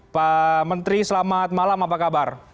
pak menteri selamat malam apa kabar